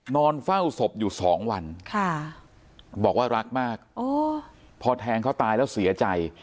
นอนเฝ้าศพอยู่๒วันบอกว่ารักมากพอแทงเขาตายแล้วเสียใจ